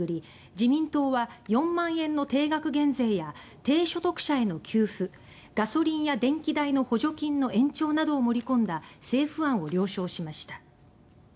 自民党は４万円の定額減税や低所得者への給付ガソリンや電気代の補助金の延長などを盛り込んだ政府案を了承しました。